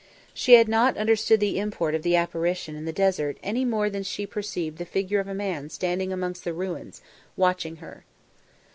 She had not understood the import of the apparition in the desert any more than she perceived the figure of a man standing amongst the ruins, watching her.